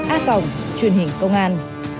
a phòng truyền hình công an